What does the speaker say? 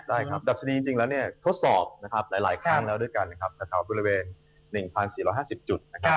ใช่ครับดับทรีย์จริงแล้วทดสอบหลายขั้นแล้วด้วยกันนะครับข่าวบริเวณ๑๔๕๐จุดนะครับ